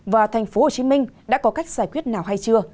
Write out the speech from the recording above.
và tp hcm đã có cách giải quyết nào hay chưa